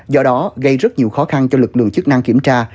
do đó gây rất nhiều khó khăn cho lực lượng chức năng kiểm tra